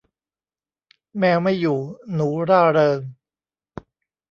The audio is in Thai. แมวไม่อยู่หนูร่าเริง